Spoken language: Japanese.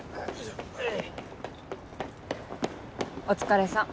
お疲れさん